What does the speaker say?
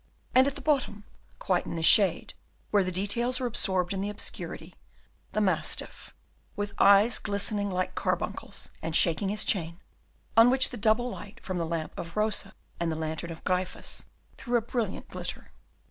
And at the bottom, quite in the shade, where the details are absorbed in the obscurity, the mastiff, with his eyes glistening like carbuncles, and shaking his chain, on which the double light from the lamp of Rosa and the lantern of Gryphus threw a brilliant glitter.